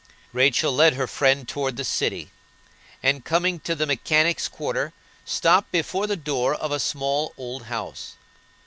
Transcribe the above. Rachel led her friend toward the city, and, coming to the mechanics' quarter, stopped before the door of a small, old house.